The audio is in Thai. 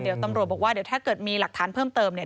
เดี๋ยวตำรวจบอกว่าเดี๋ยวถ้าเกิดมีหลักฐานเพิ่มเติมเนี่ย